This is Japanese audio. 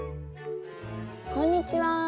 こんにちは。